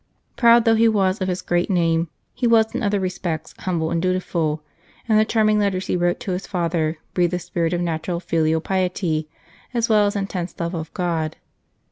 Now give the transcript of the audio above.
Proud though he was of his great name, he was in other respects humble and dutiful, and the charming letters he wrote to his father breathe a spirit of natural .filial piety as well as intense love of God.